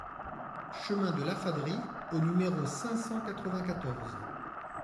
Chemin de Lafaderie au numéro cinq cent quatre-vingt-quatorze